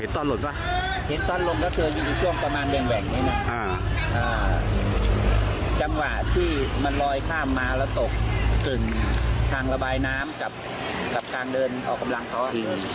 ตกถึงทางระบายน้ำกับทางเดินออกกำลังเขา